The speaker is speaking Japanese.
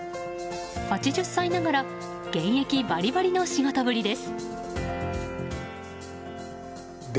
８０歳ながら現役バリバリの仕事ぶりです。